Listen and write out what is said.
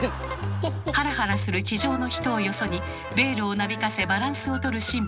ハラハラする地上の人をよそにベールをなびかせバランスをとる新婦。